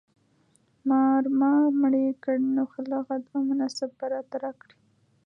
مار ما مړ کړی نو خلعت او منصب به راته راکړي.